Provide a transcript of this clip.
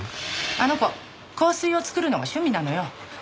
あの子香水を作るのが趣味なのよ。